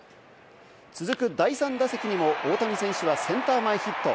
続く第３打席にも大谷選手はセンター前ヒット。